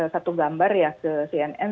satu gambar ya ke cnn